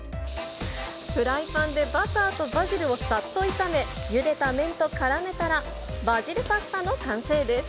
フライパンでバターとバジルをさっと炒め、ゆでた麺とからめたら、バジルパスタの完成です。